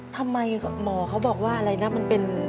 ทำไมหมอเขาบอกว่าอะไรนะมันเป็น